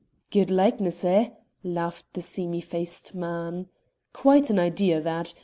"Good likeness, eh?" laughed the seamy faced man. "Quite an idea, that!